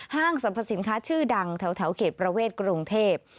สรรพสินค้าชื่อดังแถวเขตประเวทกรุงเทพ